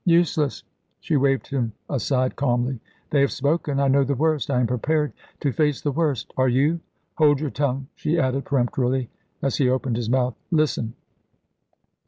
useless!" She waved him aside calmly. "They have spoken. I know the worst; I am prepared to face the worst. Are you? Hold your tongue," she added peremptorily, as he opened his mouth. "Listen!"